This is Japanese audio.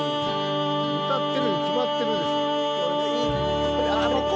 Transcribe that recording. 歌ってるに決まってるでしょ。